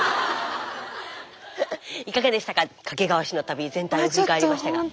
いかがでしたか掛川市の旅全体を振り返りましたが。